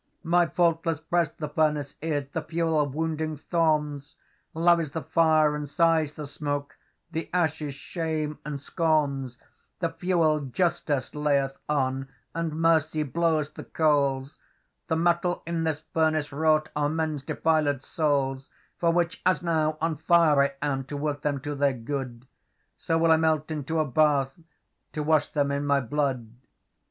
'My faultless breast the furnace is; The fuel, wounding thorns; Love is the fire, and sighs the smoke; The ashes, shames and scorns; The fuel Justice layeth on, And Mercy blows the coals, The metal in this furnace wroughtAre men's defilèd souls:For which, as now on fire I amTo work them to their good, So will I melt into a bath, To wash them in my blood.